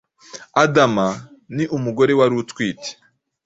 adama, ni umugore wari utwite,